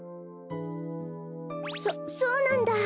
そそうなんだ。